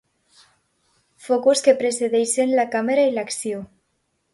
Focus que precedeixen la càmera i l'acció.